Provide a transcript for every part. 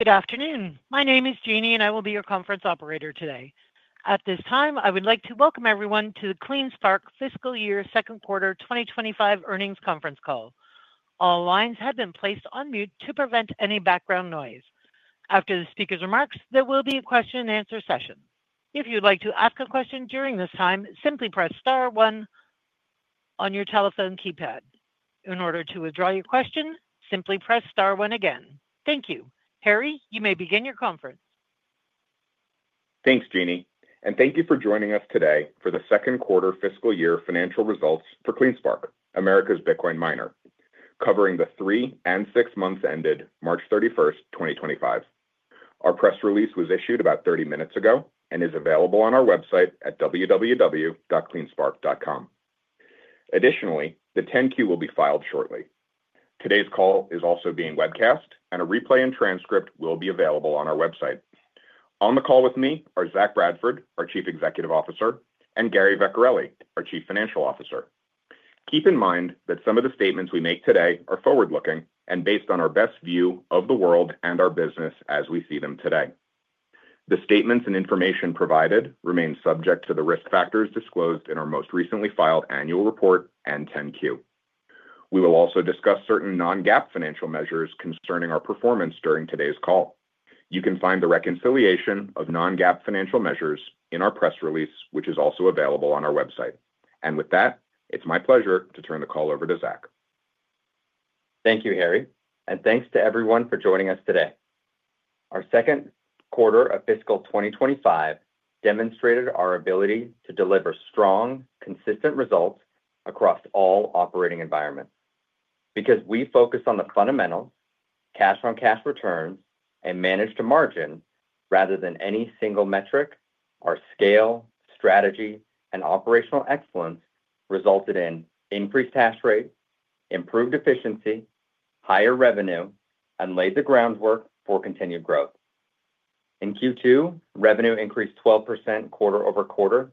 Good afternoon. My name is Jeannie, and I will be your conference operator today. At this time, I would like to welcome everyone to the CleanSpark fiscal year second quarter 2025 earnings conference call. All lines have been placed on mute to prevent any background noise. After the speaker's remarks, there will be a question-and-answer session. If you'd like to ask a question during this time, simply press star one on your telephone keypad. In order to withdraw your question, simply press star one again. Thank you. Harry, you may begin your conference. Thanks, Jeannie, and thank you for joining us today for the second quarter fiscal year financial results for CleanSpark, America's Bitcoin miner, covering the three and six months ended March 31st, 2025. Our press release was issued about 30 minutes ago and is available on our website at www.cleanspark.com. Additionally, the 10-Q will be filed shortly. Today's call is also being webcast, and a replay and transcript will be available on our website. On the call with me are Zach Bradford, our Chief Executive Officer, and Gary Vecchiarelli, our Chief Financial Officer. Keep in mind that some of the statements we make today are forward-looking and based on our best view of the world and our business as we see them today. The statements and information provided remain subject to the risk factors disclosed in our most recently filed annual report and 10-Q. We will also discuss certain non-GAAP financial measures concerning our performance during today's call. You can find the reconciliation of non-GAAP financial measures in our press release, which is also available on our website. With that, it's my pleasure to turn the call over to Zach. Thank you, Harry, and thanks to everyone for joining us today. Our second quarter of fiscal 2025 demonstrated our ability to deliver strong, consistent results across all operating environments. Because we focus on the fundamentals, cash-on-cash returns, and managed margin rather than any single metric, our scale, strategy, and operational excellence resulted in increased hash rate, improved efficiency, higher revenue, and laid the groundwork for continued growth. In Q2, revenue increased 12% quarter-over-quarter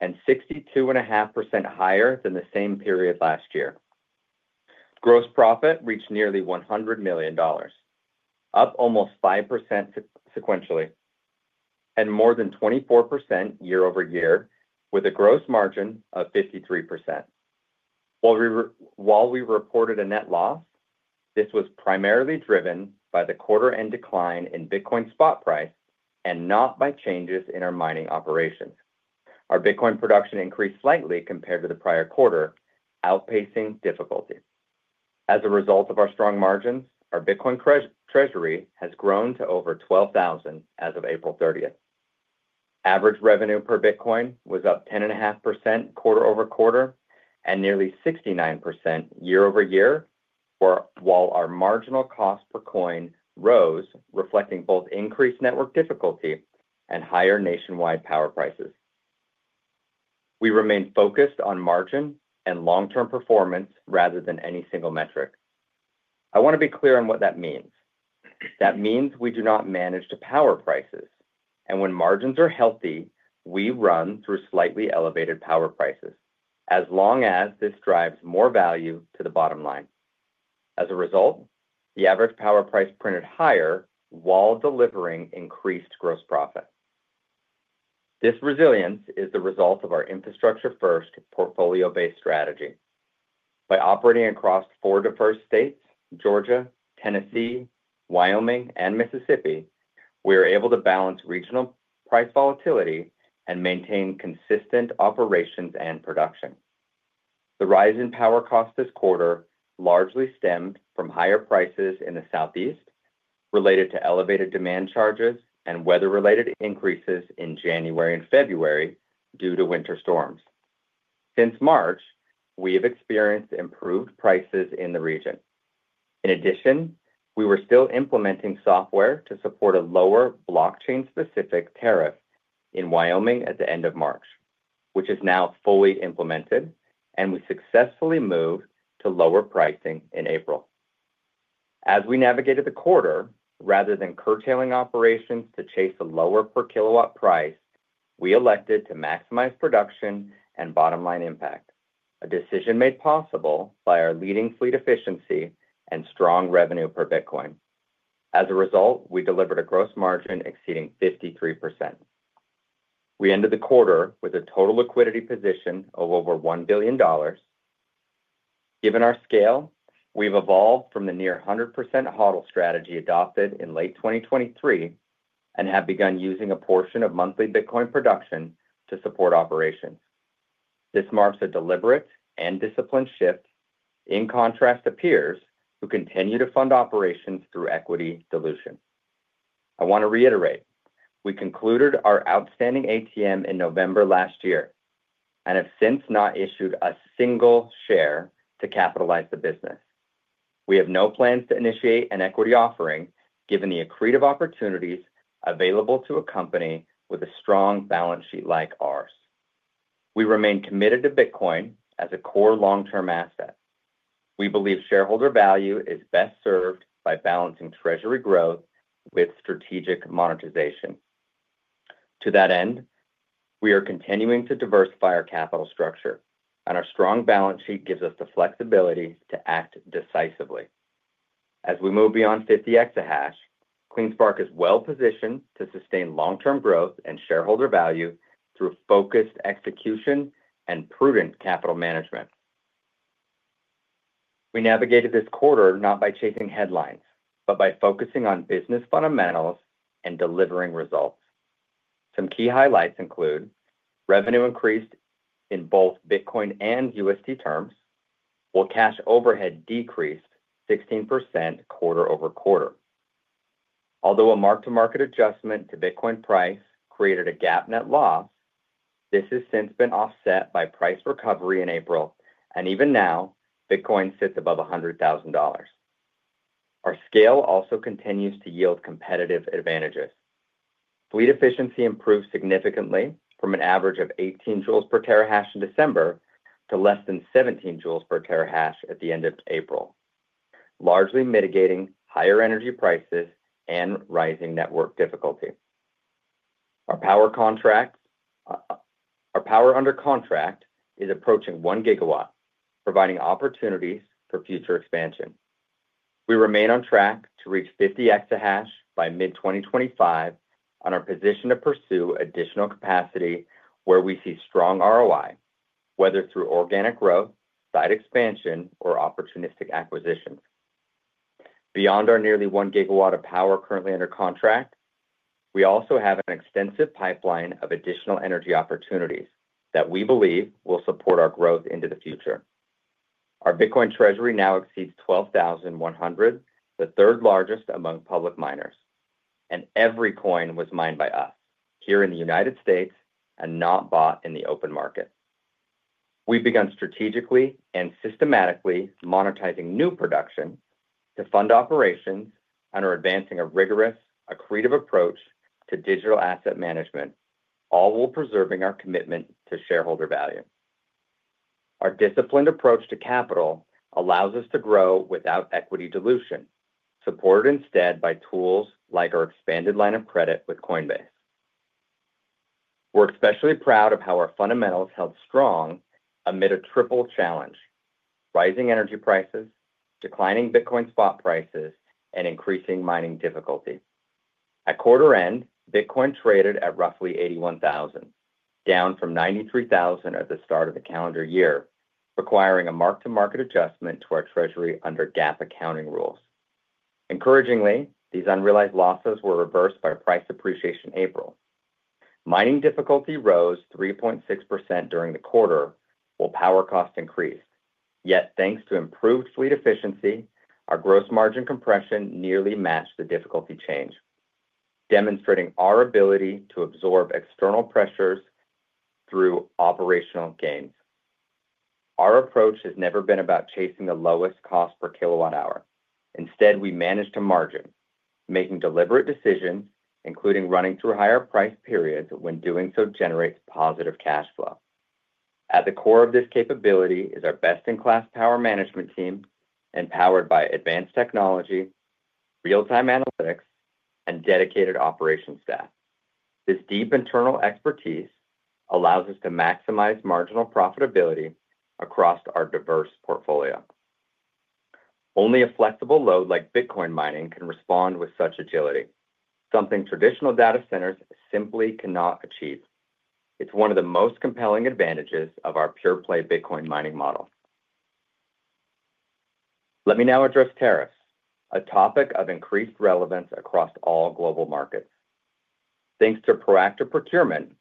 and 62.5% higher than the same period last year. Gross profit reached nearly $100 million, up almost 5% sequentially, and more than 24% year-over-year, with a gross margin of 53%. While we reported a net loss, this was primarily driven by the quarter-end decline in Bitcoin spot price and not by changes in our mining operations. Our Bitcoin production increased slightly compared to the prior quarter, outpacing difficulty. As a result of our strong margins, our Bitcoin treasury has grown to over 12,000 as of April 30th. Average revenue per Bitcoin was up 10.5% quarter-over-quarter and nearly 69% year-over-year, while our marginal cost per coin rose, reflecting both increased network difficulty and higher nationwide power prices. We remain focused on margin and long-term performance rather than any single metric. I want to be clear on what that means. That means we do not manage to power prices, and when margins are healthy, we run through slightly elevated power prices, as long as this drives more value to the bottom line. As a result, the average power price printed higher while delivering increased gross profit. This resilience is the result of our infrastructure-first portfolio-based strategy. By operating across four diverse states—Georgia, Tennessee, Wyoming, and Mississippi—we are able to balance regional price volatility and maintain consistent operations and production. The rise in power costs this quarter largely stemmed from higher prices in the Southeast related to elevated demand charges and weather-related increases in January and February due to winter storms. Since March, we have experienced improved prices in the region. In addition, we were still implementing software to support a lower blockchain-specific tariff in Wyoming at the end of March, which is now fully implemented, and we successfully moved to lower pricing in April. As we navigated the quarter, rather than curtailing operations to chase a lower per kW price, we elected to maximize production and bottom-line impact, a decision made possible by our leading fleet efficiency and strong revenue per Bitcoin. As a result, we delivered a gross margin exceeding 53%. We ended the quarter with a total liquidity position of over $1 billion. Given our scale, we've evolved from the near 100% HODL strategy adopted in late 2023 and have begun using a portion of monthly Bitcoin production to support operations. This marks a deliberate and disciplined shift in contrast to peers who continue to fund operations through equity dilution. I want to reiterate, we concluded our outstanding ATM in November last year and have since not issued a single share to capitalize the business. We have no plans to initiate an equity offering given the accretive opportunities available to a company with a strong balance sheet like ours. We remain committed to Bitcoin as a core long-term asset. We believe shareholder value is best served by balancing treasury growth with strategic monetization. To that end, we are continuing to diversify our capital structure, and our strong balance sheet gives us the flexibility to act decisively. As we move beyond 50 EH/s, CleanSpark is well positioned to sustain long-term growth and shareholder value through focused execution and prudent capital management. We navigated this quarter not by chasing headlines, but by focusing on business fundamentals and delivering results. Some key highlights include revenue increased in both Bitcoin and USD terms, while cash overhead decreased 16% quarter-over-quarter. Although a mark-to-market adjustment to Bitcoin price created a GAAP net loss, this has since been offset by price recovery in April, and even now, Bitcoin sits above $100,000. Our scale also continues to yield competitive advantages. Fleet efficiency improved significantly from an average of 18 J/TH in December to less than 17 J/TH at the end of April, largely mitigating higher energy prices and rising network difficulty. Our power under contract is approaching 1 GW, providing opportunities for future expansion. We remain on track to reach 50 EH/s by mid-2025 on our position to pursue additional capacity where we see strong ROI, whether through organic growth, site expansion, or opportunistic acquisitions. Beyond our nearly 1 GW of power currently under contract, we also have an extensive pipeline of additional energy opportunities that we believe will support our growth into the future. Our Bitcoin treasury now exceeds 12,100, the third largest among public miners, and every coin was mined by us here in the U.S. and not bought in the open market. We've begun strategically and systematically monetizing new production to fund operations and are advancing a rigorous, accretive approach to digital asset management, all while preserving our commitment to shareholder value. Our disciplined approach to capital allows us to grow without equity dilution, supported instead by tools like our expanded line of credit with Coinbase. We're especially proud of how our fundamentals held strong amid a triple challenge: rising energy prices, declining Bitcoin spot prices, and increasing mining difficulty. At quarter end, Bitcoin traded at roughly $81,000, down from $93,000 at the start of the calendar year, requiring a mark-to-market adjustment to our treasury under GAAP accounting rules. Encouragingly, these unrealized losses were reversed by price appreciation in April. Mining difficulty rose 3.6% during the quarter while power costs increased. Yet, thanks to improved fleet efficiency, our gross margin compression nearly matched the difficulty change, demonstrating our ability to absorb external pressures through operational gains. Our approach has never been about chasing the lowest cost per kWh. Instead, we manage to margin, making deliberate decisions, including running through higher price periods when doing so generates positive cash flow. At the core of this capability is our best-in-class power management team, empowered by advanced technology, real-time analytics, and dedicated operations staff. This deep internal expertise allows us to maximize marginal profitability across our diverse portfolio. Only a flexible load like Bitcoin mining can respond with such agility, something traditional data centers simply cannot achieve. It is one of the most compelling advantages of our pure-play Bitcoin mining model. Let me now address tariffs, a topic of increased relevance across all global markets. Thanks to proactive procurement,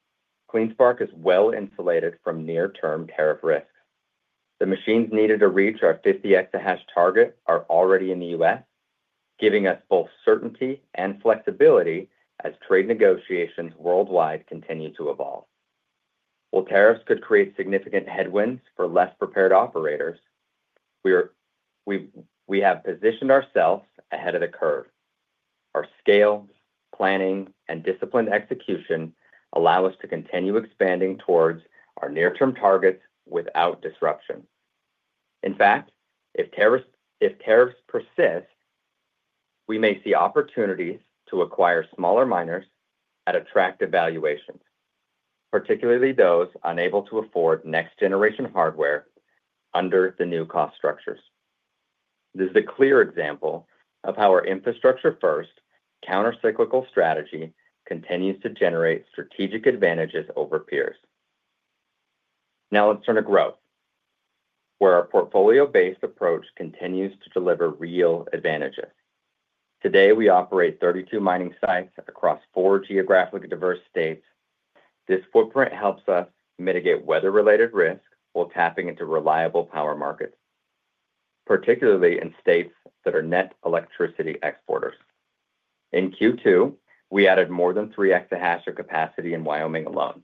CleanSpark is well insulated from near-term tariff risks. The machines needed to reach our 50 EH/s target are already in the U.S., giving us both certainty and flexibility as trade negotiations worldwide continue to evolve. While tariffs could create significant headwinds for less prepared operators, we have positioned ourselves ahead of the curve. Our scale, planning, and disciplined execution allow us to continue expanding towards our near-term targets without disruption. In fact, if tariffs persist, we may see opportunities to acquire smaller miners at attractive valuations, particularly those unable to afford next-generation hardware under the new cost structures. This is a clear example of how our infrastructure-first countercyclical strategy continues to generate strategic advantages over peers. Now let's turn to growth, where our portfolio-based approach continues to deliver real advantages. Today, we operate 32 mining sites across four geographically diverse states. This footprint helps us mitigate weather-related risk while tapping into reliable power markets, particularly in states that are net electricity exporters. In Q2, we added more than 3 EH/s of capacity in Wyoming alone.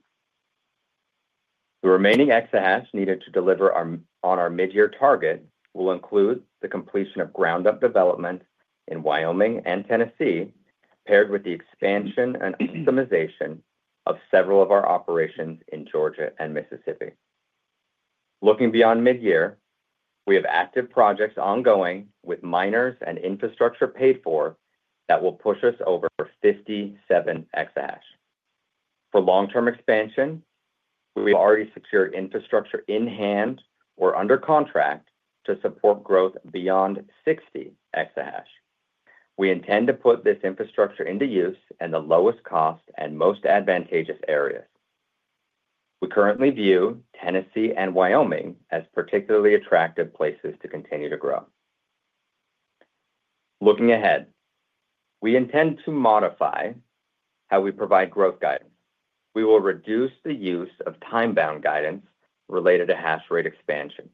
The remaining exahash needed to deliver on our mid-year target will include the completion of ground-up development in Wyoming and Tennessee, paired with the expansion and optimization of several of our operations in Georgia and Mississippi. Looking beyond mid-year, we have active projects ongoing with miners and infrastructure paid for that will push us over 5 EH/s. For long-term expansion, we have already secured infrastructure in hand or under contract to support growth beyond 6 EH/s. We intend to put this infrastructure into use in the lowest cost and most advantageous areas. We currently view Tennessee and Wyoming as particularly attractive places to continue to grow. Looking ahead, we intend to modify how we provide growth guidance. We will reduce the use of time-bound guidance related to hash rate expansion.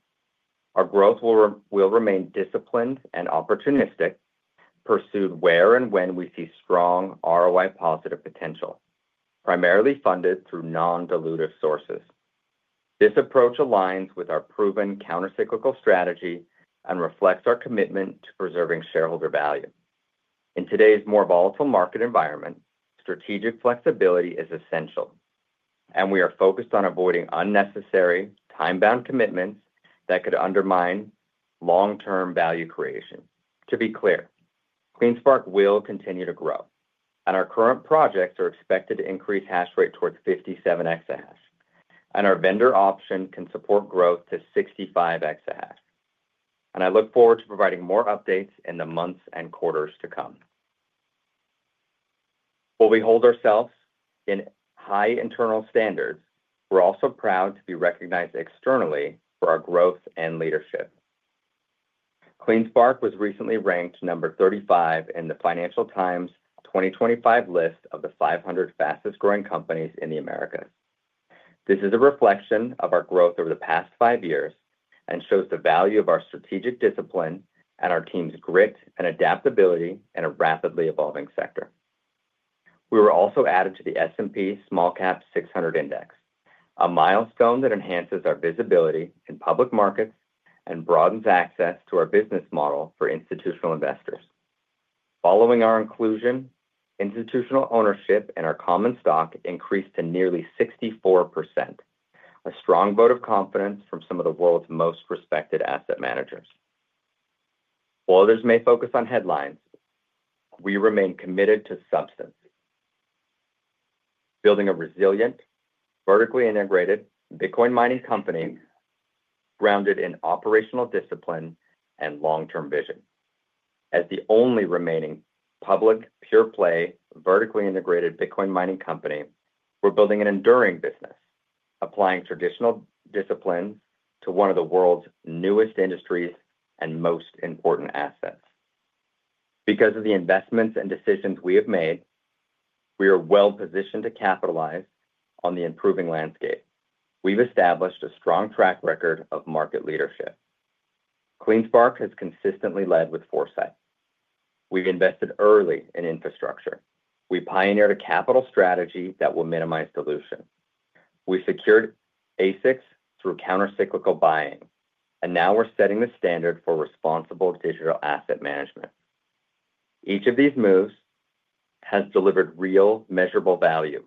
Our growth will remain disciplined and opportunistic, pursued where and when we see strong ROI positive potential, primarily funded through non-dilutive sources. This approach aligns with our proven countercyclical strategy and reflects our commitment to preserving shareholder value. In today's more volatile market environment, strategic flexibility is essential, and we are focused on avoiding unnecessary time-bound commitments that could undermine long-term value creation. To be clear, CleanSpark will continue to grow, and our current projects are expected to increase hash rate towards 57 EH/s, and our vendor option can support growth to 65 EH/s. I look forward to providing more updates in the months and quarters to come. While we hold ourselves in high internal standards, we're also proud to be recognized externally for our growth and leadership. CleanSpark was recently ranked number 35 in the Financial Times 2025 list of the 500 fastest-growing companies in the Americas. This is a reflection of our growth over the past five years and shows the value of our strategic discipline and our team's grit and adaptability in a rapidly evolving sector. We were also added to the S&P SmallCap 600 Index, a milestone that enhances our visibility in public markets and broadens access to our business model for institutional investors. Following our inclusion, institutional ownership in our common stock increased to nearly 64%, a strong vote of confidence from some of the world's most respected asset managers. While others may focus on headlines, we remain committed to substance, building a resilient, vertically integrated Bitcoin mining company grounded in operational discipline and long-term vision. As the only remaining public pure-play vertically integrated Bitcoin mining company, we're building an enduring business, applying traditional disciplines to one of the world's newest industries and most important assets. Because of the investments and decisions we have made, we are well positioned to capitalize on the improving landscape. We've established a strong track record of market leadership. CleanSpark has consistently led with foresight. We've invested early in infrastructure. We pioneered a capital strategy that will minimize dilution. We secured ASICs through countercyclical buying, and now we're setting the standard for responsible digital asset management. Each of these moves has delivered real measurable value,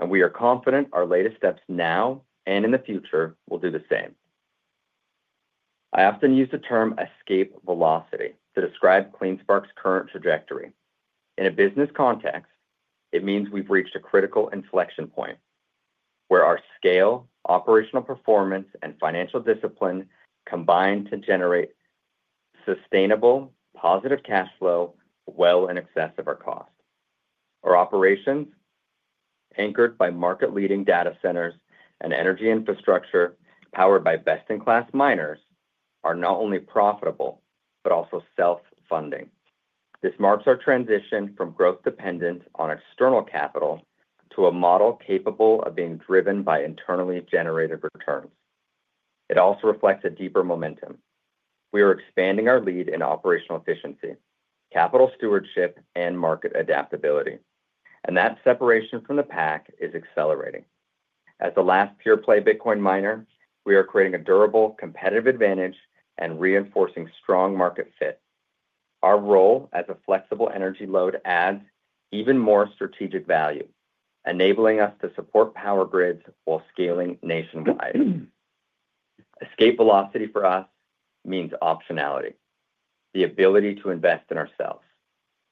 and we are confident our latest steps now and in the future will do the same. I often use the term escape velocity to describe CleanSpark's current trajectory. In a business context, it means we've reached a critical inflection point where our scale, operational performance, and financial discipline combine to generate sustainable positive cash flow well in excess of our cost. Our operations, anchored by market-leading data centers and energy infrastructure powered by best-in-class miners, are not only profitable but also self-funding. This marks our transition from growth-dependent on external capital to a model capable of being driven by internally generated returns. It also reflects a deeper momentum. We are expanding our lead in operational efficiency, capital stewardship, and market adaptability, and that separation from the pack is accelerating. As the last pure-play Bitcoin miner, we are creating a durable competitive advantage and reinforcing strong market fit. Our role as a flexible energy load adds even more strategic value, enabling us to support power grids while scaling nationwide. Escape velocity for us means optionality, the ability to invest in ourselves,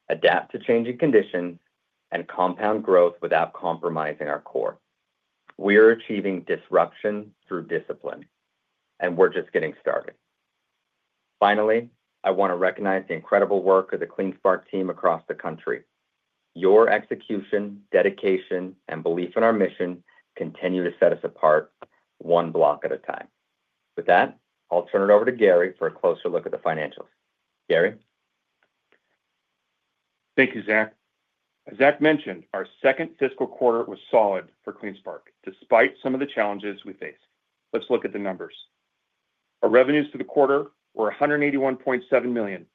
adapt to changing conditions, and compound growth without compromising our core. We are achieving disruption through discipline, and we're just getting started. Finally, I want to recognize the incredible work of the CleanSpark team across the country. Your execution, dedication, and belief in our mission continue to set us apart one block at a time. With that, I'll turn it over to Gary for a closer look at the financials. Gary. Thank you, Zach. As Zach mentioned, our second fiscal quarter was solid for CleanSpark, despite some of the challenges we faced. Let's look at the numbers. Our revenues for the quarter were $181.7 million,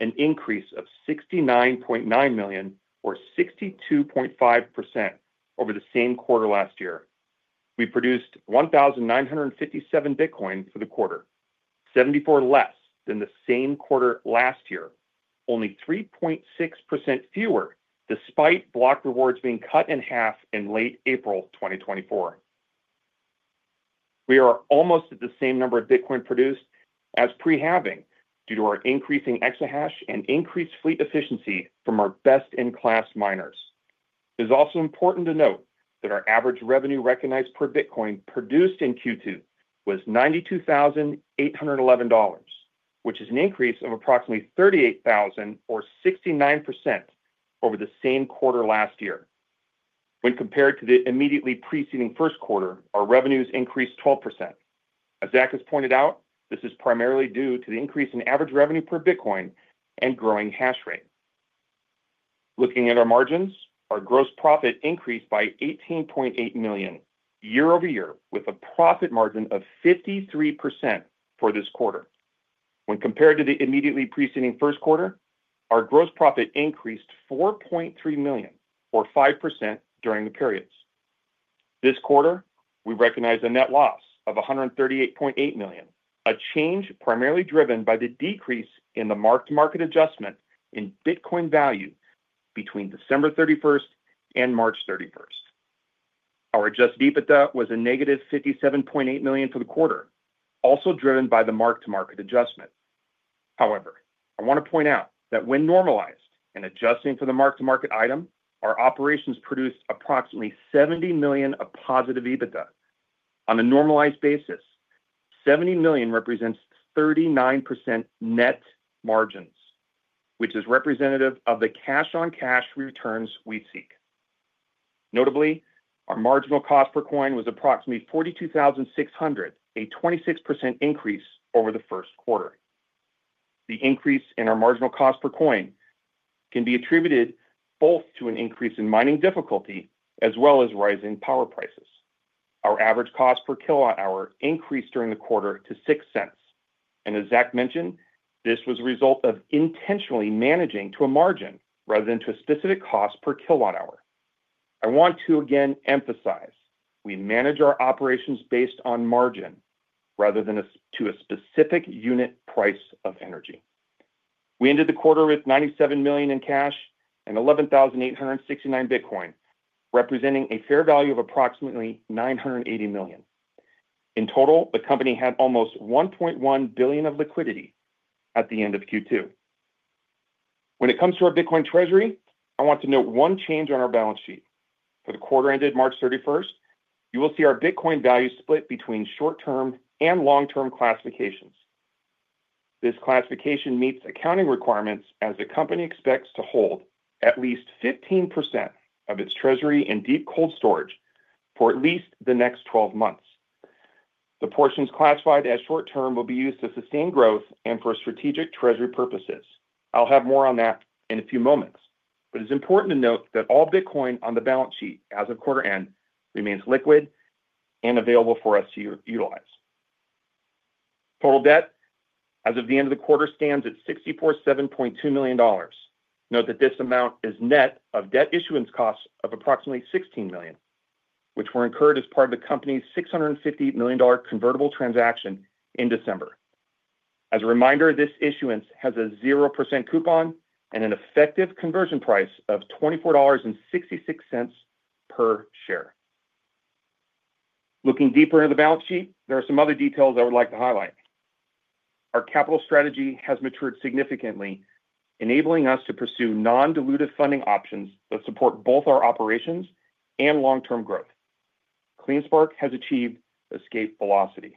an increase of $69.9 million, or 62.5%, over the same quarter last year. We produced 1,957 Bitcoin for the quarter, 74 less than the same quarter last year, only 3.6% fewer despite block rewards being cut in half in late April 2024. We are almost at the same number of Bitcoin produced as pre-halving due to our increasing exahash and increased fleet efficiency from our best-in-class miners. It is also important to note that our average revenue recognized per Bitcoin produced in Q2 was $92,811, which is an increase of approximately $38,000, or 69%, over the same quarter last year. When compared to the immediately preceding first quarter, our revenues increased 12%. As Zach has pointed out, this is primarily due to the increase in average revenue per Bitcoin and growing hash rate. Looking at our margins, our gross profit increased by $18.8 million year-over-year, with a profit margin of 53% for this quarter. When compared to the immediately preceding first quarter, our gross profit increased $4.3 million, or 5%, during the periods. This quarter, we recognize a net loss of $138.8 million, a change primarily driven by the decrease in the mark-to-market adjustment in Bitcoin value between December 31st and March 31st. Our adjusted EBITDA was a -$57.8 million for the quarter, also driven by the mark-to-market adjustment. However, I want to point out that when normalized and adjusting for the mark-to-market item, our operations produced approximately $70 million of positive EBITDA. On a normalized basis, $70 million represents 39% net margins, which is representative of the cash-on-cash returns we seek. Notably, our marginal cost per coin was approximately $42,600, a 26% increase over the first quarter. The increase in our marginal cost per coin can be attributed both to an increase in mining difficulty as well as rising power prices. Our average cost per kWh increased during the quarter to $0.06. As Zach mentioned, this was a result of intentionally managing to a margin rather than to a specific cost per kWh. I want to again emphasize we manage our operations based on margin rather than to a specific unit price of energy. We ended the quarter with $97 million in cash and 11,869 Bitcoin, representing a fair value of approximately $980 million. In total, the company had almost $1.1 billion of liquidity at the end of Q2. When it comes to our Bitcoin treasury, I want to note one change on our balance sheet. For the quarter ended March 31st, 2024, you will see our Bitcoin value split between short-term and long-term classifications. This classification meets accounting requirements as the company expects to hold at least 15% of its treasury in deep cold storage for at least the next 12 months. The portions classified as short-term will be used to sustain growth and for strategic treasury purposes. I'll have more on that in a few moments, but it's important to note that all Bitcoin on the balance sheet as of quarter end remains liquid and available for us to utilize. Total debt as of the end of the quarter stands at $647.2 million. Note that this amount is net of debt issuance costs of approximately $16 million, which were incurred as part of the company's $658 million convertible transaction in December. As a reminder, this issuance has a 0% coupon and an effective conversion price of $24.66 per share. Looking deeper into the balance sheet, there are some other details I would like to highlight. Our capital strategy has matured significantly, enabling us to pursue non-dilutive funding options that support both our operations and long-term growth. CleanSpark has achieved escape velocity.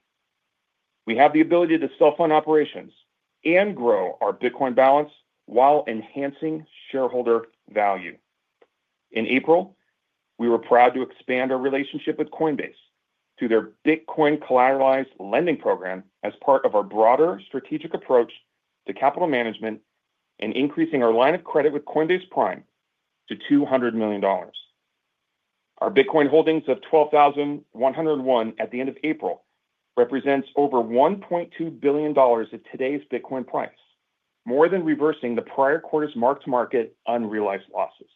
We have the ability to self-fund operations and grow our Bitcoin balance while enhancing shareholder value. In April, we were proud to expand our relationship with Coinbase through their Bitcoin collateralized lending program as part of our broader strategic approach to capital management and increasing our line of credit with Coinbase Prime to $200 million. Our Bitcoin holdings of 12,101 at the end of April represent over $1.2 billion of today's Bitcoin price, more than reversing the prior quarter's mark-to-market unrealized losses.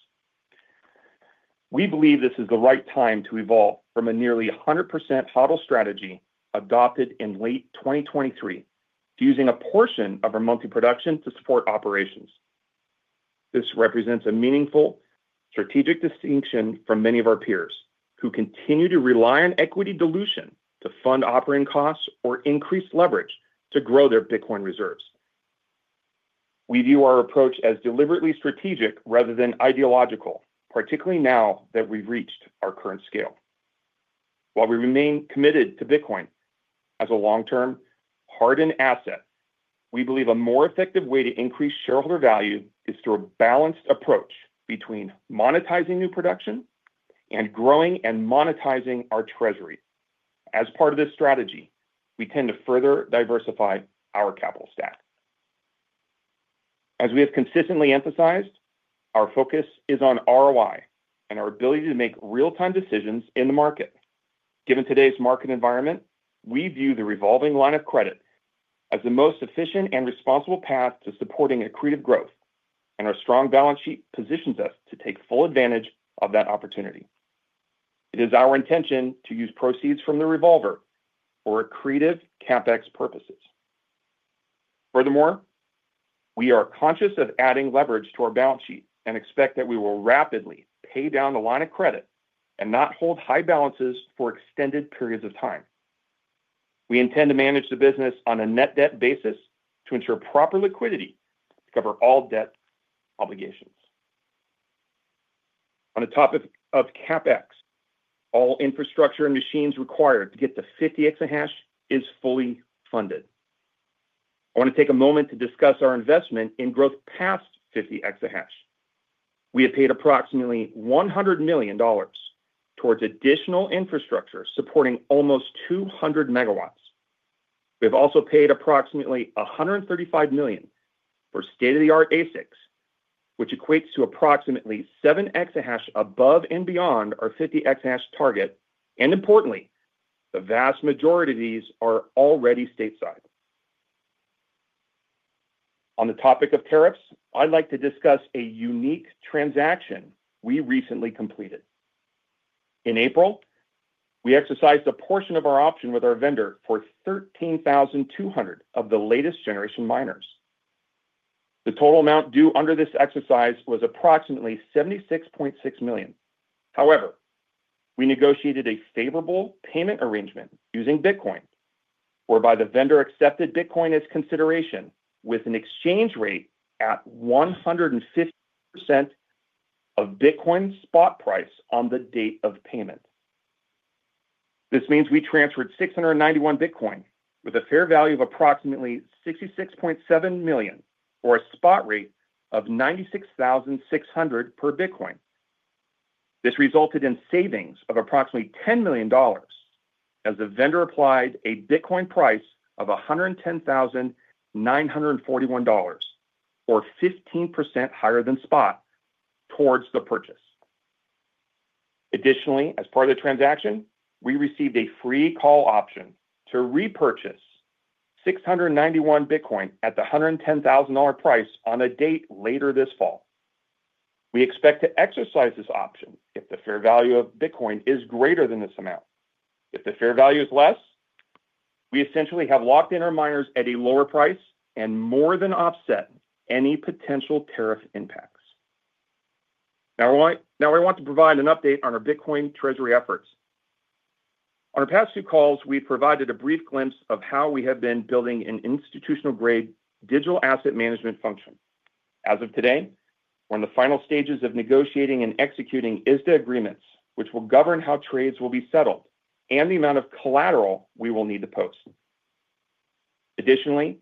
We believe this is the right time to evolve from a nearly 100% HODL strategy adopted in late 2023 to using a portion of our monthly production to support operations. This represents a meaningful strategic distinction from many of our peers who continue to rely on equity dilution to fund operating costs or increased leverage to grow their Bitcoin reserves. We view our approach as deliberately strategic rather than ideological, particularly now that we've reached our current scale. While we remain committed to Bitcoin as a long-term hardened asset, we believe a more effective way to increase shareholder value is through a balanced approach between monetizing new production and growing and monetizing our treasury. As part of this strategy, we intend to further diversify our capital stack. As we have consistently emphasized, our focus is on ROI and our ability to make real-time decisions in the market. Given today's market environment, we view the revolving line of credit as the most efficient and responsible path to supporting accretive growth, and our strong balance sheet positions us to take full advantage of that opportunity. It is our intention to use proceeds from the revolver for accretive CapEx purposes. Furthermore, we are conscious of adding leverage to our balance sheet and expect that we will rapidly pay down the line of credit and not hold high balances for extended periods of time. We intend to manage the business on a net debt basis to ensure proper liquidity to cover all debt obligations. On the topic of CapEx, all infrastructure and machines required to get to 50 EH/s is fully funded. I want to take a moment to discuss our investment in growth past 50 EH/s. We have paid approximately $100 million towards additional infrastructure supporting almost 200 MW. We have also paid approximately $135 million for state-of-the-art ASICs, which equates to approximately 7 EH/s above and beyond our 50 EH/s target. Importantly, the vast majority of these are already stateside. On the topic of tariffs, I'd like to discuss a unique transaction we recently completed. In April, we exercised a portion of our option with our vendor for 13,200 of the latest generation miners. The total amount due under this exercise was approximately $76.6 million. However, we negotiated a favorable payment arrangement using Bitcoin, whereby the vendor accepted Bitcoin as consideration with an exchange rate at 150% of Bitcoin spot price on the date of payment. This means we transferred 691 Bitcoin with a fair value of approximately $66.7 million for a spot rate of $96,600 per Bitcoin. This resulted in savings of approximately $10 million as the vendor applied a Bitcoin price of $110,941, or 15% higher than spot, towards the purchase. Additionally, as part of the transaction, we received a free call option to repurchase 691 Bitcoin at the $110,000 price on a date later this fall. We expect to exercise this option if the fair value of Bitcoin is greater than this amount. If the fair value is less, we essentially have locked in our miners at a lower price and more than offset any potential tariff impacts. Now, I want to provide an update on our Bitcoin treasury efforts. On our past few calls, we provided a brief glimpse of how we have been building an institutional-grade digital asset management function. As of today, we're in the final stages of negotiating and executing ISDA agreements, which will govern how trades will be settled and the amount of collateral we will need to post. Additionally,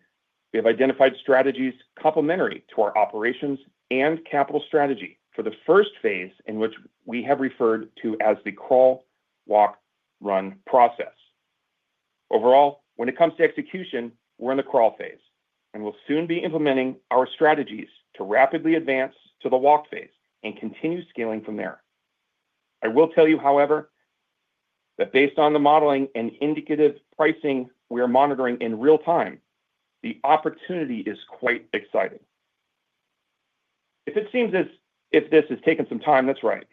we have identified strategies complementary to our operations and capital strategy for the first phase in which we have referred to as the crawl, walk, run process. Overall, when it comes to execution, we're in the crawl phase, and we'll soon be implementing our strategies to rapidly advance to the walk phase and continue scaling from there. I will tell you, however, that based on the modeling and indicative pricing we are monitoring in real time, the opportunity is quite exciting. If it seems as if this has taken some time, that's right.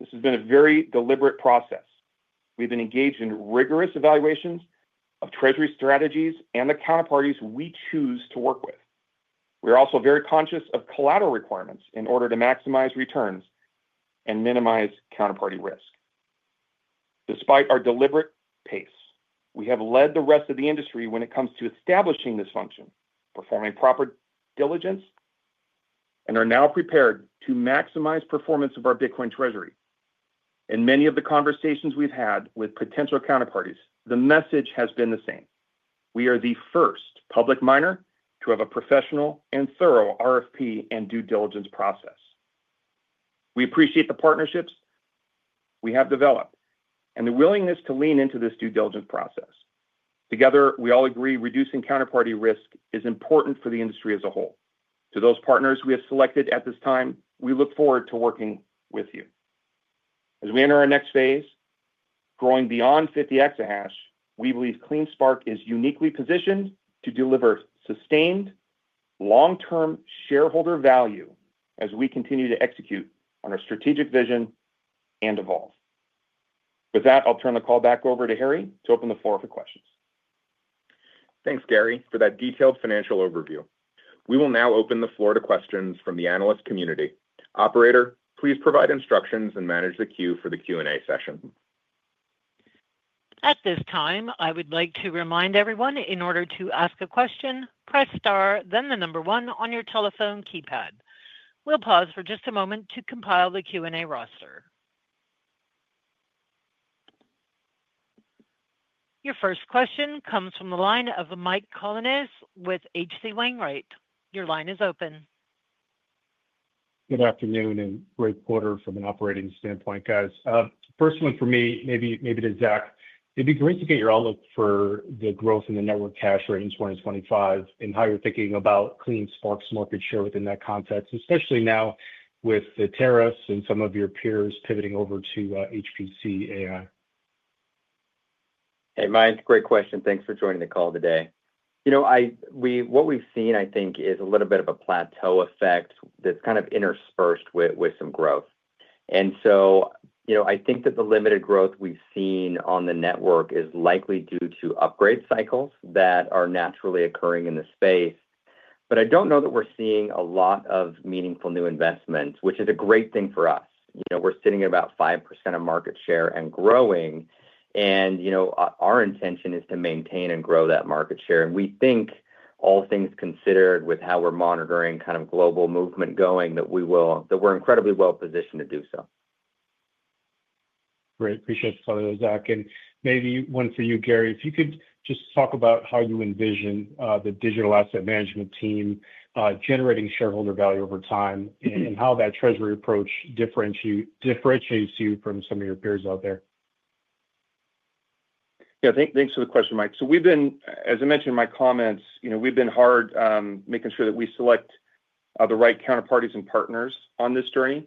This has been a very deliberate process. We've been engaged in rigorous evaluations of treasury strategies and the counterparties we choose to work with. We are also very conscious of collateral requirements in order to maximize returns and minimize counterparty risk. Despite our deliberate pace, we have led the rest of the industry when it comes to establishing this function, performing proper diligence, and are now prepared to maximize performance of our Bitcoin treasury. In many of the conversations we have had with potential counterparties, the message has been the same. We are the first public miner to have a professional and thorough RFP and due diligence process. We appreciate the partnerships we have developed and the willingness to lean into this due diligence process. Together, we all agree reducing counterparty risk is important for the industry as a whole. To those partners we have selected at this time, we look forward to working with you. As we enter our next phase, growing beyond 50 EH/s, we believe CleanSpark is uniquely positioned to deliver sustained long-term shareholder value as we continue to execute on our strategic vision and evolve. With that, I'll turn the call back over to Harry to open the floor for questions. Thanks, Gary, for that detailed financial overview. We will now open the floor to questions from the analyst community. Operator, please provide instructions and manage the queue for the Q&A session. At this time, I would like to remind everyone in order to ask a question, press star, then the number one on your telephone keypad. We'll pause for just a moment to compile the Q&A roster. Your first question comes from the line of Mike Colonnese with H.C. Wainwright. Your line is open. Good afternoon and great quarter from an operating standpoint, guys. First one for me, maybe to Zach, it'd be great to get your outlook for the growth in the network hash rate in 2025 and how you're thinking about CleanSpark's market share within that context, especially now with the tariffs and some of your peers pivoting over to HPC AI. Hey, Mike, great question. Thanks for joining the call today. You know, what we've seen, I think, is a little bit of a plateau effect that's kind of interspersed with some growth. And so, you know, I think that the limited growth we've seen on the network is likely due to upgrade cycles that are naturally occurring in the space. But I don't know that we're seeing a lot of meaningful new investments, which is a great thing for us. You know, we're sitting at about 5% of market share and growing. You know, our intention is to maintain and grow that market share. We think, all things considered, with how we are monitoring kind of global movement going, that we are incredibly well positioned to do so. Great. Appreciate it, Zach. Maybe one for you, Gary, if you could just talk about how you envision the digital asset management team generating shareholder value over time and how that treasury approach differentiates you from some of your peers out there. Yeah, thanks for the question, Mike. We have been, as I mentioned in my comments, you know, we have been hard making sure that we select the right counterparties and partners on this journey.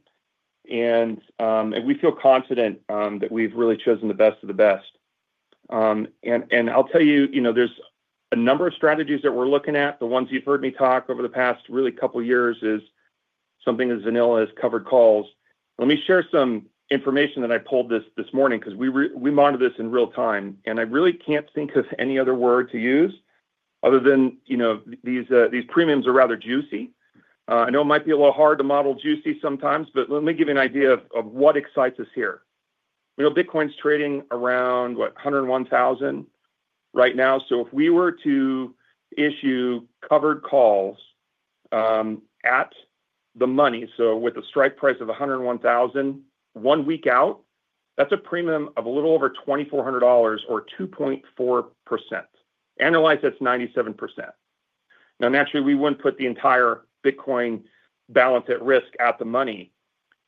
We feel confident that we have really chosen the best of the best. I will tell you, you know, there is a number of strategies that we are looking at. The ones you've heard me talk over the past really couple of years is something as vanilla as covered calls. Let me share some information that I pulled this morning because we monitor this in real time. And I really can't think of any other word to use other than, you know, these premiums are rather juicy. I know it might be a little hard to model juicy sometimes, but let me give you an idea of what excites us here. You know, Bitcoin's trading around, what, $101,000 right now. So if we were to issue covered calls at the money, so with a strike price of $101,000 one week out, that's a premium of a little over $2,400 or 2.4%. Annualized, that's 97%. Now, naturally, we wouldn't put the entire Bitcoin balance at risk at the money,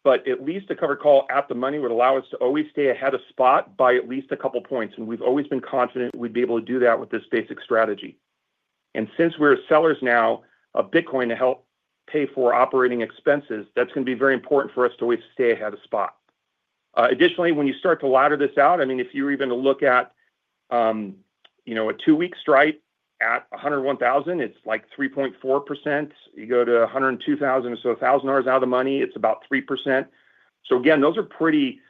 but at least a covered call at the money would allow us to always stay ahead of spot by at least a couple of points. We've always been confident we'd be able to do that with this basic strategy. Since we're sellers now of Bitcoin to help pay for operating expenses, that's going to be very important for us to always stay ahead of spot. Additionally, when you start to ladder this out, I mean, if you're even to look at, you know, a two-week stripe at $101,000, it's like 3.4%. You go to $102,000 or so, $1,000 out of the money, it's about 3%. Those are pretty,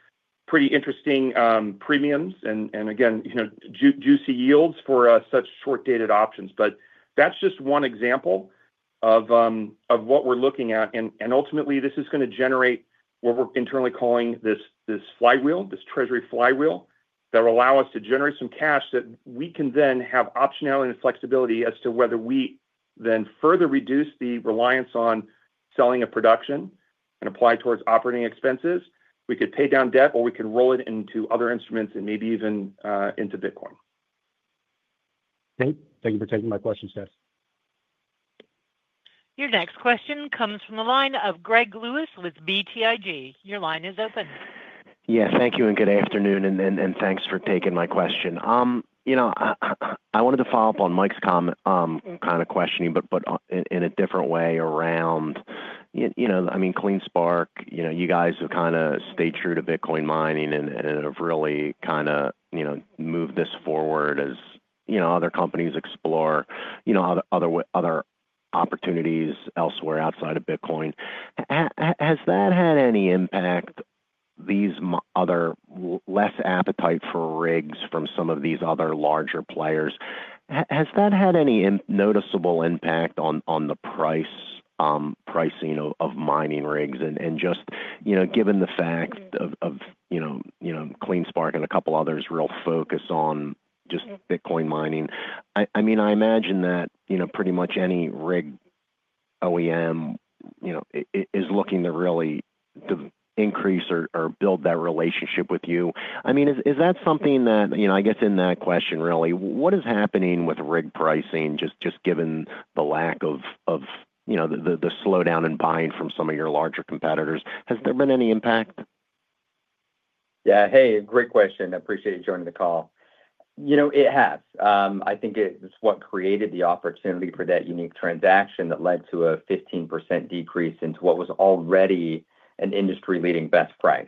pretty interesting premiums and, again, you know, juicy yields for such short-dated options. That's just one example of what we're looking at. Ultimately, this is going to generate what we're internally calling this flywheel, this treasury flywheel that will allow us to generate some cash that we can then have optionality and flexibility as to whether we then further reduce the reliance on selling a production and apply towards operating expenses. We could pay down debt or we could roll it into other instruments and maybe even into Bitcoin. Great. Thank you for taking my questions, guys. Your next question comes from the line of Greg Lewis with BTIG. Your line is open. Yeah, thank you and good afternoon. And thanks for taking my question. You know, I wanted to follow up on Mike's comment, kind of questioning, but in a different way around, you know, I mean, CleanSpark, you know, you guys have kind of stayed true to Bitcoin mining and have really kind of, you know, moved this forward as, you know, other companies explore, you know, other opportunities elsewhere outside of Bitcoin. Has that had any impact, these other less appetite for rigs from some of these other larger players? Has that had any noticeable impact on the pricing of mining rigs? And just, you know, given the fact of, you know, CleanSpark and a couple others real focus on just Bitcoin mining, I mean, I imagine that, you know, pretty much any rig OEM, you know, is looking to really increase or build that relationship with you. I mean, is that something that, you know, I guess in that question really, what is happening with rig pricing, just given the lack of, you know, the slowdown in buying from some of your larger competitors? Has there been any impact? Yeah, hey, great question. I appreciate you joining the call. You know, it has. I think it's what created the opportunity for that unique transaction that led to a 15% decrease into what was already an industry-leading best price.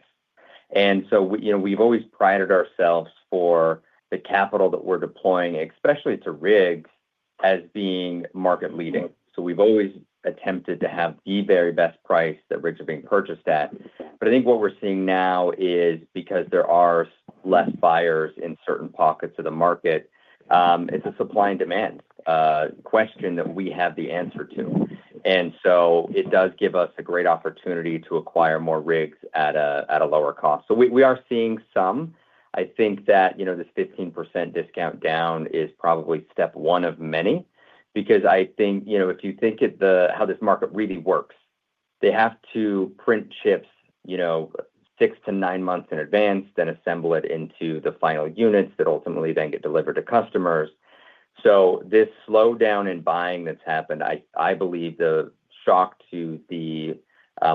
And so, you know, we've always prided ourselves for the capital that we're deploying, especially to rigs, as being market-leading. So we've always attempted to have the very best price that rigs are being purchased at. I think what we're seeing now is because there are less buyers in certain pockets of the market, it's a supply and demand question that we have the answer to. It does give us a great opportunity to acquire more rigs at a lower cost. We are seeing some. I think that, you know, this 15% discount down is probably step one of many because I think, you know, if you think of how this market really works, they have to print chips, you know, six to nine months in advance, then assemble it into the final units that ultimately then get delivered to customers. This slowdown in buying that has happened, I believe the shock to the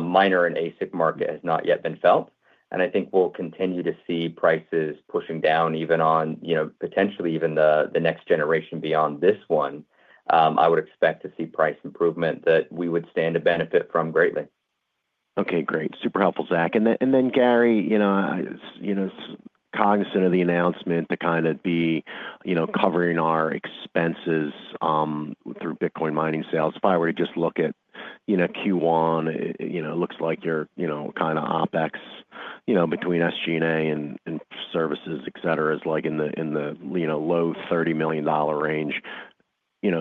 miner and ASIC market has not yet been felt. I think we will continue to see prices pushing down even on, you know, potentially even the next generation beyond this one. I would expect to see price improvement that we would stand to benefit from greatly. Okay, great. Super helpful, Zach. Gary, you know, cognizant of the announcement to kind of be, you know, covering our expenses through Bitcoin mining sales, if I were to just look at, you know, Q1, it looks like your, you know, kind of OpEx, you know, between SG&A and services, et cetera, is like in the low $30 million range.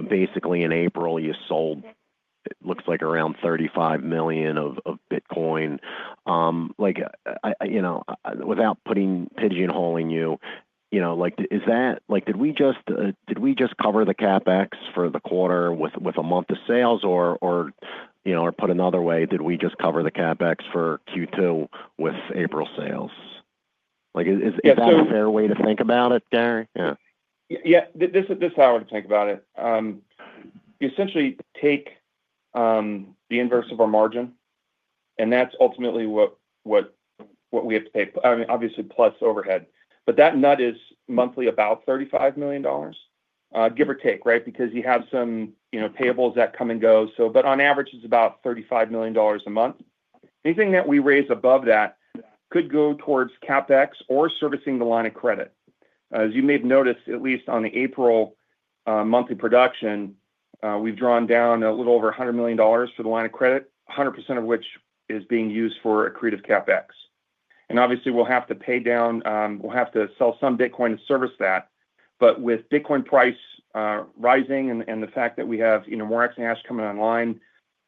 Basically in April, you sold, it looks like around $35 million of Bitcoin. Like, without pigeonholing you, you know, like, is that, like, did we just cover the CapEx for the quarter with a month of sales or, you know, or put another way, did we just cover the CapEx for Q2 with April sales? Like, is that a fair way to think about it, Gary? Yeah. Yeah, this is how I would think about it. You essentially take the inverse of our margin, and that's ultimately what we have to pay. I mean, obviously plus overhead. That nut is monthly about $35 million, give or take, right? Because you have some, you know, payables that come and go. On average, it's about $35 million a month. Anything that we raise above that could go towards CapEx or servicing the line of credit. As you may have noticed, at least on the April monthly production, we've drawn down a little over $100 million for the line of credit, 100% of which is being used for accretive CapEx. Obviously, we'll have to pay down, we'll have to sell some Bitcoin to service that. But with Bitcoin price rising and the fact that we have, you know, more exchange coming online,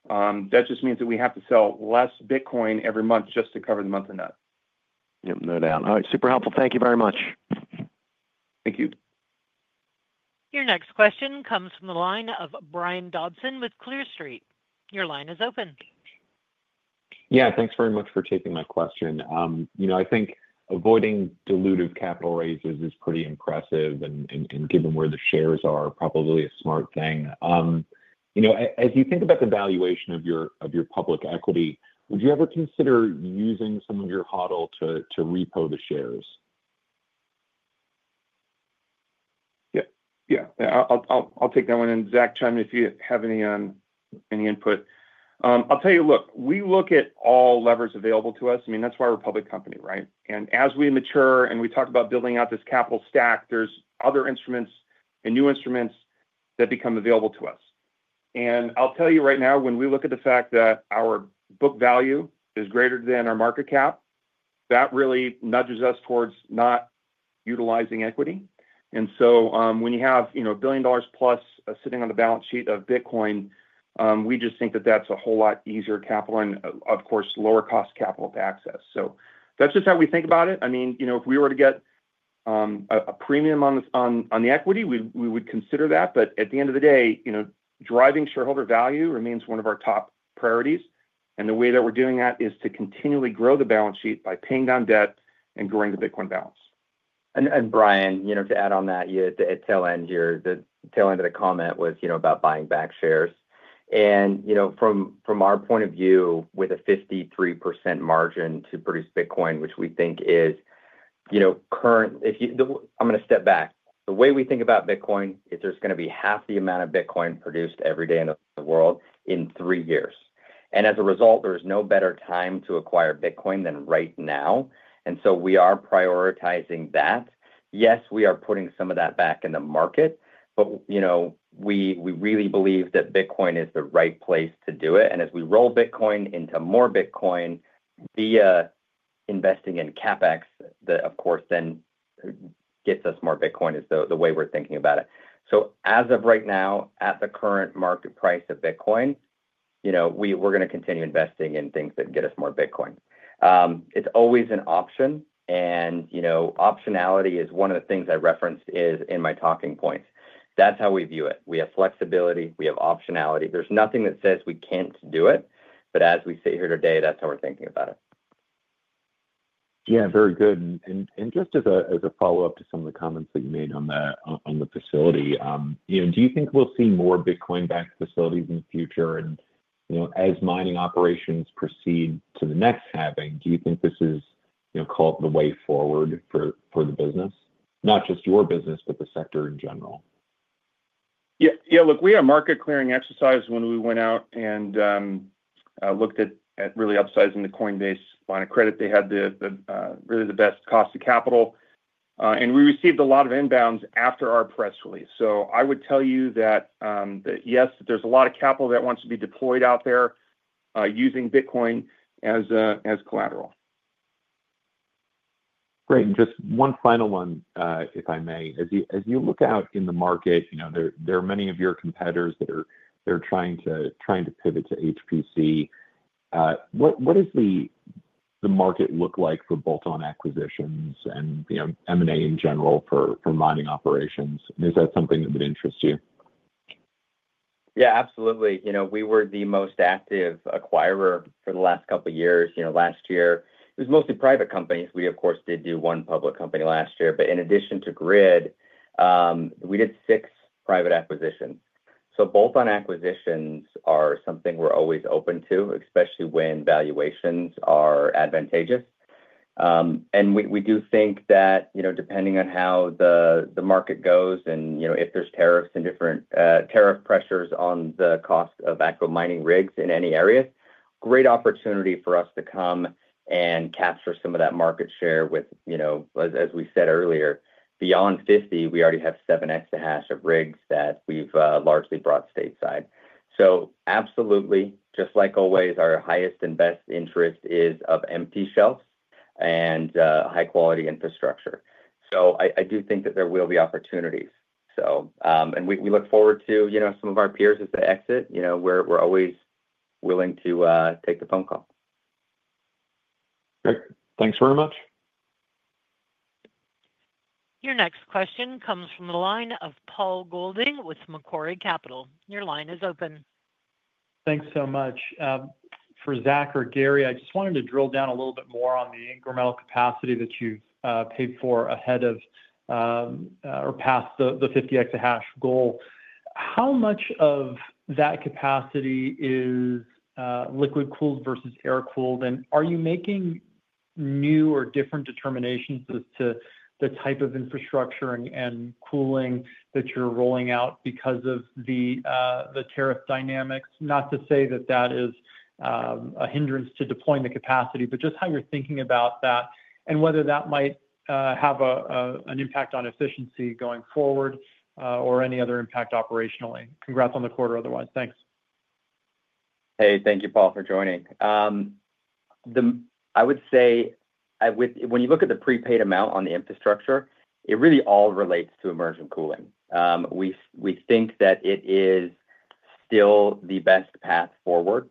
that just means that we have to sell less Bitcoin every month just to cover the monthly nut. Yep, no doubt. All right, super helpful. Thank you very much. Thank you. Your next question comes from the line of Brian Dobson with Clear Street. Your line is open. Yeah, thanks very much for taking my question. You know, I think avoiding dilutive capital raises is pretty impressive and given where the shares are, probably a smart thing. You know, as you think about the valuation of your public equity, would you ever consider using some of your HODL to repo the shares? Yeah, yeah, I'll take that one. And Zach, chime in if you have any input. I'll tell you, look, we look at all levers available to us. I mean, that's why we're a public company, right? And as we mature and we talk about building out this capital stack, there's other instruments and new instruments that become available to us. And I'll tell you right now, when we look at the fact that our book value is greater than our market cap, that really nudges us towards not utilizing equity. And so when you have, you know, $1 billion plus sitting on the balance sheet of Bitcoin, we just think that that's a whole lot easier capital and, of course, lower cost capital to access. So that's just how we think about it. I mean, you know, if we were to get a premium on the equity, we would consider that. But at the end of the day, you know, driving shareholder value remains one of our top priorities. The way that we're doing that is to continually grow the balance sheet by paying down debt and growing the Bitcoin balance. And Brian, you know, to add on that, the tail end here, the tail end of the comment was, you know, about buying back shares. You know, from our point of view, with a 53% margin to produce Bitcoin, which we think is, you know, current, if you, I'm going to step back. The way we think about Bitcoin is there's going to be half the amount of Bitcoin produced every day in the world in three years. As a result, there is no better time to acquire Bitcoin than right now. We are prioritizing that. Yes, we are putting some of that back in the market, but, you know, we really believe that Bitcoin is the right place to do it. As we roll Bitcoin into more Bitcoin via investing in CapEx, that, of course, then gets us more Bitcoin is the way we're thinking about it. As of right now, at the current market price of Bitcoin, you know, we're going to continue investing in things that get us more Bitcoin. It's always an option. You know, optionality is one of the things I referenced in my talking points. That's how we view it. We have flexibility. We have optionality. There's nothing that says we can't do it. As we sit here today, that's how we're thinking about it. Yeah, very good. Just as a follow-up to some of the comments that you made on the facility, you know, do you think we'll see more Bitcoin-backed facilities in the future? You know, as mining operations proceed to the next halving, do you think this is, you know, called the way forward for the business? Not just your business, but the sector in general. Yeah, yeah, look, we had a market clearing exercise when we went out and looked at really upsizing the Coinbase line of credit. They had really the best cost of capital. We received a lot of inbounds after our press release. I would tell you that, yes, there is a lot of capital that wants to be deployed out there using Bitcoin as collateral. Great. Just one final one, if I may. As you look out in the market, you know, there are many of your competitors that are trying to pivot to HPC. What does the market look like for bolt-on acquisitions and, you know, M&A in general for mining operations? Is that something that would interest you? Yeah, absolutely. You know, we were the most active acquirer for the last couple of years. You know, last year, it was mostly private companies. We, of course, did do one public company last year. In addition to Grid, we did six private acquisitions. Bolt-on acquisitions are something we're always open to, especially when valuations are advantageous. We do think that, you know, depending on how the market goes and, you know, if there's tariffs and different tariff pressures on the cost of active mining rigs in any areas, great opportunity for us to come and capture some of that market share with, you know, as we said earlier, beyond 50, we already have 7 EH/s of rigs that we've largely brought stateside. Absolutely, just like always, our highest and best interest is of empty shelves and high-quality infrastructure. I do think that there will be opportunities, and we look forward to, you know, some of our peers as they exit. You know, we're always willing to take the phone call. Great. Thanks very much. Your next question comes from the line of Paul Golding with Macquarie Capital. Your line is open. Thanks so much. For Zach or Gary, I just wanted to drill down a little bit more on the incremental capacity that you've paid for ahead of or past the 50 EH/s goal. How much of that capacity is liquid cooled versus air cooled? Are you making new or different determinations as to the type of infrastructure and cooling that you're rolling out because of the tariff dynamics? Not to say that that is a hindrance to deploying the capacity, but just how you're thinking about that and whether that might have an impact on efficiency going forward or any other impact operationally. Congrats on the quarter otherwise. Thanks. Hey, thank you, Paul, for joining. I would say when you look at the prepaid amount on the infrastructure, it really all relates to immersion cooling. We think that it is still the best path forward.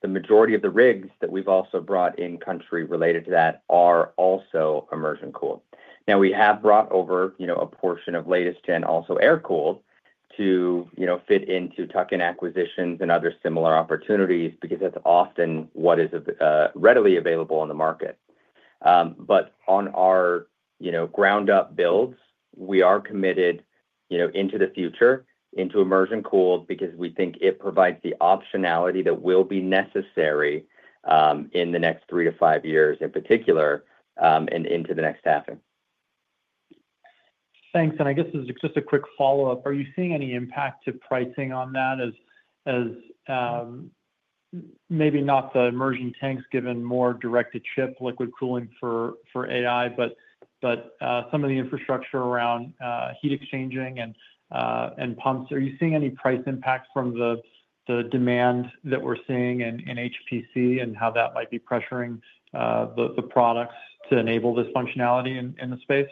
The majority of the rigs that we've also brought in country related to that are also immersion cooled. Now, we have brought over, you know, a portion of latest-gen also air cooled to, you know, fit into tuck-in acquisitions and other similar opportunities because that's often what is readily available on the market. On our, you know, ground-up builds, we are committed, you know, into the future, into immersion cooled because we think it provides the optionality that will be necessary in the next three to five years in particular and into the next halving. Thanks. I guess this is just a quick follow-up. Are you seeing any impact to pricing on that as maybe not the immersion tanks given more direct-to-chip liquid cooling for AI, but some of the infrastructure around heat exchanging and pumps? Are you seeing any price impact from the demand that we're seeing in HPC and how that might be pressuring the products to enable this functionality in the space?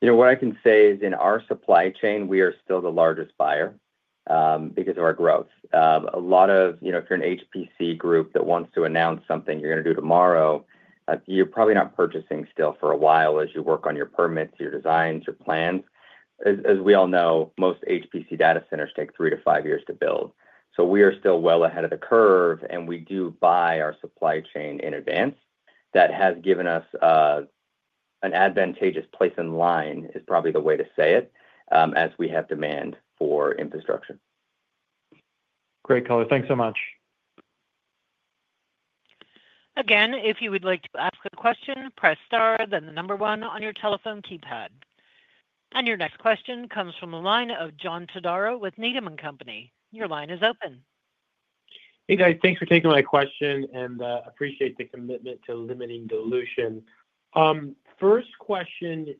You know, what I can say is in our supply chain, we are still the largest buyer because of our growth. A lot of, you know, if you're an HPC group that wants to announce something you're going to do tomorrow, you're probably not purchasing still for a while as you work on your permits, your designs, your plans. As we all know, most HPC data centers take three to five years to build. We are still well ahead of the curve, and we do buy our supply chain in advance. That has given us an advantageous place in line is probably the way to say it as we have demand for infrastructure. Great, color. Thanks so much. Again, if you would like to ask a question, press star, then the number one on your telephone keypad. Your next question comes from the line of John Todaro with Needham & Company. Your line is open. Hey, guys, thanks for taking my question and appreciate the commitment to limiting dilution. First question,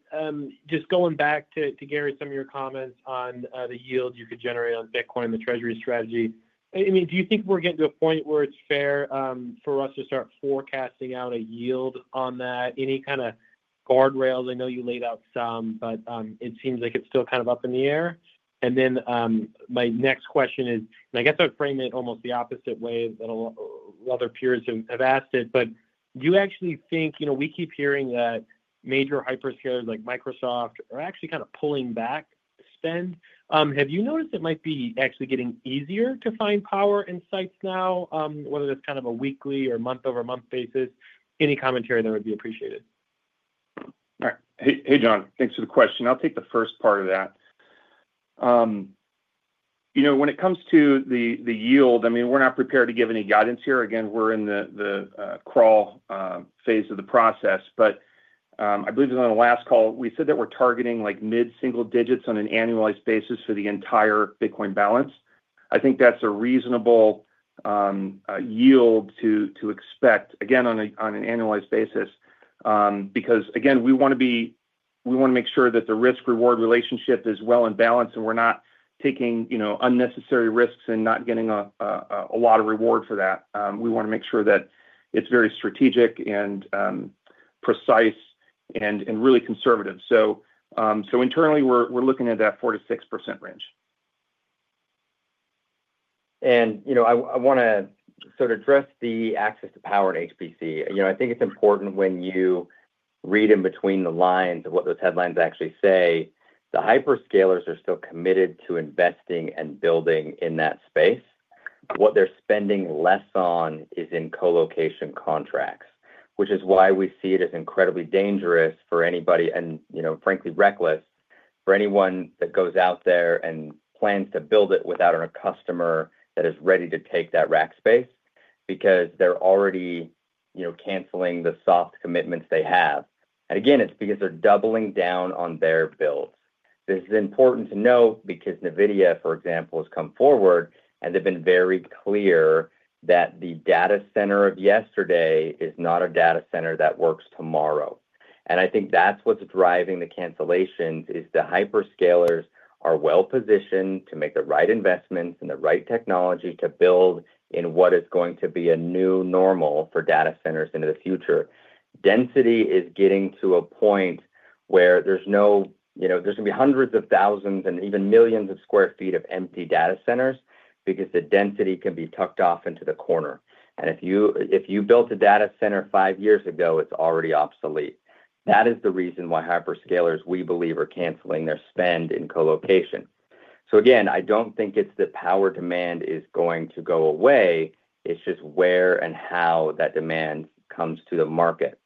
just going back to Gary's, some of your comments on the yield you could generate on Bitcoin and the Treasury strategy. I mean, do you think we're getting to a point where it's fair for us to start forecasting out a yield on that? Any kind of guardrails? I know you laid out some, but it seems like it's still kind of up in the air. My next question is, and I guess I would frame it almost the opposite way that other peers have asked it, do you actually think, you know, we keep hearing that major hyperscalers like Microsoft are actually kind of pulling back spend. Have you noticed it might be actually getting easier to find power in sites now, whether it's kind of a weekly or month-over-month basis? Any commentary there would be appreciated. All right. Hey, John, thanks for the question. I'll take the first part of that. You know, when it comes to the yield, I mean, we're not prepared to give any guidance here. Again, we're in the crawl phase of the process, but I believe on the last call, we said that we're targeting like mid-single digits on an annualized basis for the entire Bitcoin balance. I think that's a reasonable yield to expect, again, on an annualized basis because, again, we want to be we want to make sure that the risk-reward relationship is well in balance and we're not taking, you know, unnecessary risks and not getting a lot of reward for that. We want to make sure that it's very strategic and precise and really conservative. So internally, we're looking at that 4%-6% range. You know, I want to sort of address the access to power at HPC. You know, I think it's important when you read in between the lines of what those headlines actually say, the hyperscalers are still committed to investing and building in that space. What they're spending less on is in colocation contracts, which is why we see it as incredibly dangerous for anybody and, you know, frankly, reckless for anyone that goes out there and plans to build it without a customer that is ready to take that rack space because they're already, you know, canceling the soft commitments they have. Again, it's because they're doubling down on their builds. This is important to know because NVIDIA, for example, has come forward and they've been very clear that the data center of yesterday is not a data center that works tomorrow. I think that's what's driving the cancellations is the hyperscalers are well positioned to make the right investments and the right technology to build in what is going to be a new normal for data centers into the future. Density is getting to a point where there's no, you know, there's going to be hundreds of thousands and even millions of sq ft of empty data centers because the density can be tucked off into the corner. If you built a data center five years ago, it's already obsolete. That is the reason why hyperscalers, we believe, are canceling their spend in colocation. Again, I don't think it's that power demand is going to go away. It's just where and how that demand comes to the market.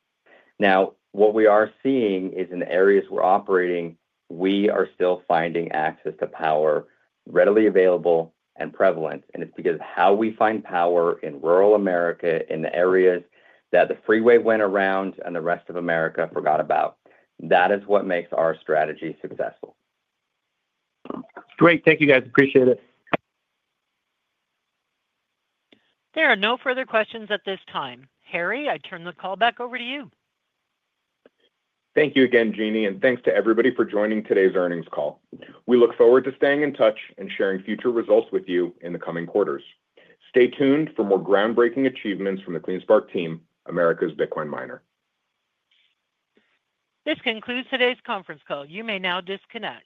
Now, what we are seeing is in the areas we are operating, we are still finding access to power readily available and prevalent. It is because of how we find power in rural America in the areas that the freeway went around and the rest of America forgot about. That is what makes our strategy successful. Great. Thank you, guys. Appreciate it. There are no further questions at this time. Harry, I turn the call back over to you. Thank you again, Jeannie, and thanks to everybody for joining today's earnings call. We look forward to staying in touch and sharing future results with you in the coming quarters. Stay tuned for more groundbreaking achievements from the CleanSpark team, America's Bitcoin miner. This concludes today's conference call. You may now disconnect.